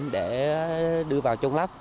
để đưa vào trung lấp